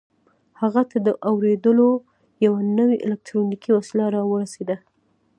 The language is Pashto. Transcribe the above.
هغه ته د اورېدلو یوه نوې الکټرونیکي وسیله را ورسېده